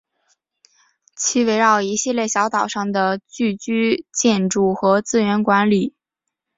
其围绕一系列小岛上的聚居建筑和资源管理。